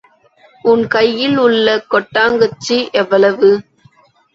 உன் கையில் உள்ள கொட்டாங்கச்சி எவ்வளவு!